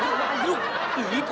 jangan lagi juru juru